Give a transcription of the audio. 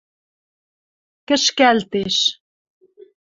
кӹшкӓлтеш